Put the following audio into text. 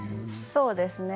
そうですね。